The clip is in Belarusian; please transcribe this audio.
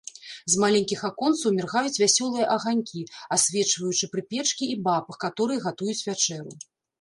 З маленькіх аконцаў міргаюць вясёлыя аганькі, асвечваючы прыпечкі і баб, каторыя гатуюць вячэру.